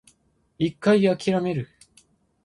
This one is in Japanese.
一回諦める